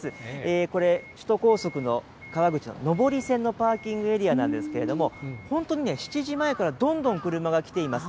これ、首都高速の川口の上り線のパーキングエリアなんですけれども、本当にね、７時前からどんどん車が来ています。